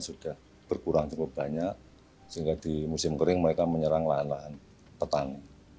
sudah berkurang cukup banyak sehingga di musim kering mereka menyerang lahan lahan petani